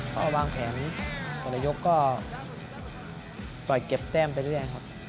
เพราะวางแผนตัวละยกก็ปล่อยเก็บแจ้มไปด้วยเองครับ